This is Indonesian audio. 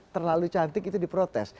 terlalu cantik itu diprotes